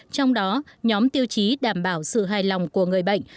trong đó nhóm tiêu chí đảm bảo sự hài lòng của người bệnh